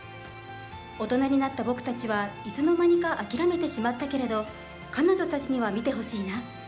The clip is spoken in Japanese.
大人になった僕たちはいつの間にか諦めてしまったけど彼女たちには見てほしいな。